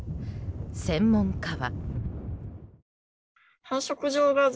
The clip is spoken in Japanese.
専門家は。